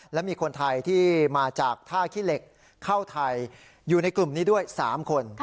และมีคนไทยที่มาจากท่าขี้เหล็กเข้าไทยอยู่ในกลุ่มนี้ด้วย๓คน